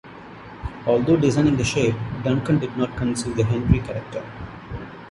Although designing the shape, Duncan did not conceive the "Henry" character.